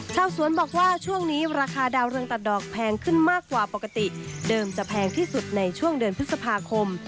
ชาวสวนบอกว่าช่วงนี้ราคาดาวเรืองตัดดอกแพงขึ้นมากกว่าปกติเดิมจะแพงที่สุดในช่วงเดือนพฤษภาคม